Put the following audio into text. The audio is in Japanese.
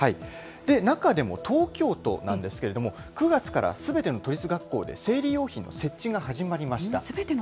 中でも、東京都なんですけれども、９月からすべての都立学校で生理用品の設置が始まりました。